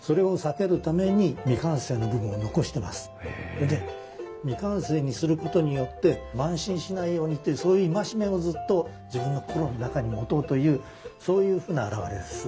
それで未完成にすることによって慢心しないようにっていうそういう戒めをずっと自分の心の中に持とうというそういうふうな表れです。